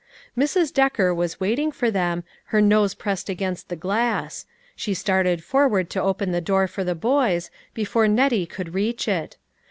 Mrs. Decker was waiting for them, her nose pressed against the glass ; she started forward to open the door for the boys, before Nettie could reach it.